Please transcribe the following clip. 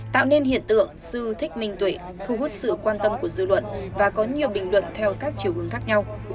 tạo nên hiện tượng sư thích minh tụy thu hút sự quan tâm của dư luận và có nhiều bình luận theo các chiều hướng khác nhau